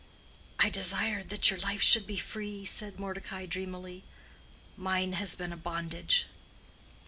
"I desired that your life should be free," said Mordecai, dreamily—"mine has been a bondage."